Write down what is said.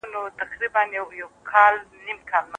سوداګريزې پانګي د بحثونو لويه برخه جوړه کړه.